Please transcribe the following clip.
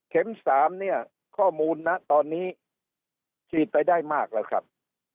๓เนี่ยข้อมูลนะตอนนี้ฉีดไปได้มากแล้วครับ